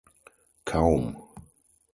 Kaum.